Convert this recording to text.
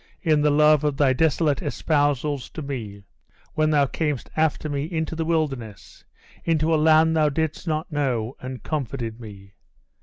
in the love of thy desolate espousals to me! when thou camest after me into the wilderness, into a land thou didst not know, and comforted me!